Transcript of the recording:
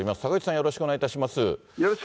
よろしくお願いします。